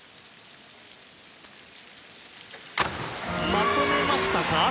まとめましたか？